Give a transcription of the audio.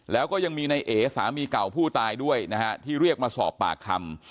แล้วก็ยังมีในเอสามีเก่าผู้ตายด้วยนะฮะที่เรียกมาสอบปากคำ